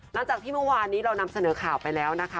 หลังจากที่เมื่อวานนี้เรานำเสนอข่าวไปแล้วนะคะ